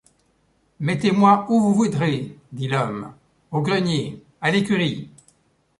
Mettez-moi où vous voudrez, dit l’homme, au grenier, à l’écurie.